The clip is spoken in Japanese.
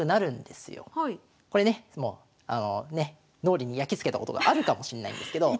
これねもうあのね脳裏にやきつけたことがあるかもしれないんですけど。